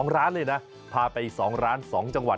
๒ร้านเลยนะพาไป๒ร้าน๒จังหวัด